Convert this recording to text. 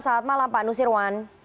selamat malam pak nusirwan